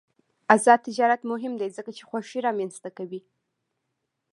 آزاد تجارت مهم دی ځکه چې خوښي رامنځته کوي.